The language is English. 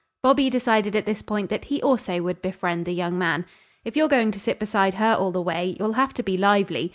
Bobby decided at this point that he also would befriend the young man. "If you're going to sit beside her all the way, you'll have to be lively.